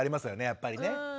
やっぱりね。